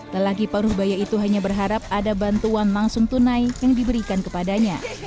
lelaki paruh baya itu hanya berharap ada bantuan langsung tunai yang diberikan kepadanya